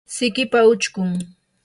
sikipa uchkun